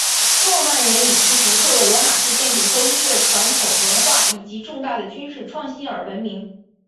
诺曼人以其独特的罗马式建筑和音乐传统文化以及重大的军事创新而闻名。